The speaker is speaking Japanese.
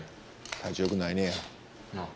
体調よくないねや。なあ？